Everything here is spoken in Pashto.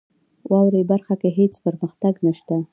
واورئ برخه کې هیڅ پرمختګ نشته .